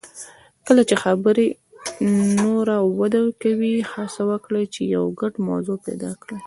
کله چې خبرې نوره وده کوي، هڅه وکړئ چې یو ګډه موضوع پیدا کړئ.